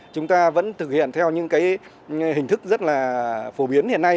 chúng ta vẫn thực hiện theo những cái hình thức rất là phổ biến hiện nay